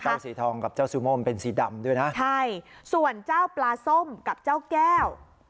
สีทองกับเจ้าซูโม่มันเป็นสีดำด้วยนะใช่ส่วนเจ้าปลาส้มกับเจ้าแก้ว